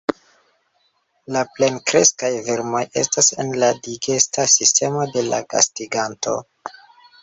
La plenkreskaj vermoj estas en la digesta sistemo de la gastiganto.